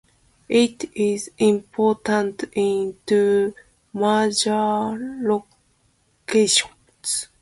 It is impounded in two major locations.